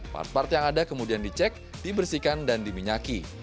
part part yang ada kemudian dicek dibersihkan dan diminyaki